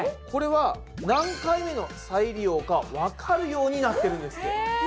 これは何回目の再利用かわかるようになってるんですって。